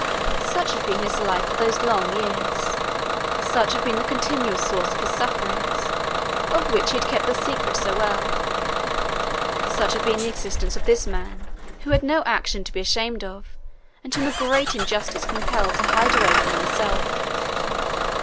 Such had been his life for those long years; such had been the continuous source of his sufferings, of which he had kept the secret so well; such had been the existence of this man, who had no action to be ashamed of, and whom a great injustice compelled to hide away from himself!